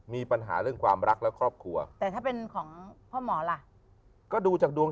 มีปัญหาเรื่องความรักและครอบครัว